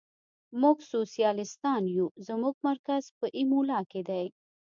موږ سوسیالیستان یو، زموږ مرکز په ایمولا کې دی.